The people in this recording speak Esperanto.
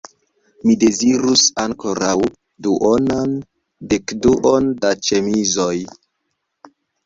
Mi dezirus ankoraŭ duonan dekduon da ĉemizoj.